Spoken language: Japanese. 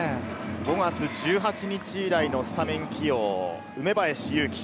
５月１８日以来のスタメン起用、梅林優貴。